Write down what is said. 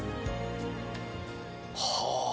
はあ。